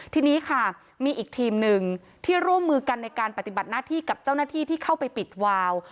ทีนี้ค่ะมีอีกทีมหนึ่งที่ร่วมมือกันในการปฏิบัติหน้าที่กับเจ้าหน้าที่ที่เข้าไปปิดวาว